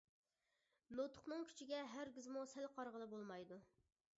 نۇتۇقنىڭ كۈچىگە ھەرگىزمۇ سەل قارىغىلى بولمايدۇ.